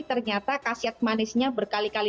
ternyata kasiat manisnya berkali kali